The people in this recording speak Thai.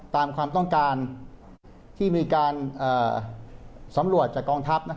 ตามความต้องการที่มีการสำรวจจากกองทัพ